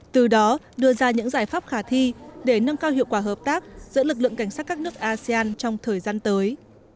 từ đó đưa ra những giải pháp khả thi để nâng cao hiệu quả hợp tác giữa lực lượng cảnh sát các nước asean trong thời gian tới